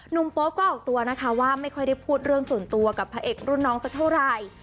โป๊ปก็ออกตัวนะคะว่าไม่ค่อยได้พูดเรื่องส่วนตัวกับพระเอกรุ่นน้องสักเท่าไหร่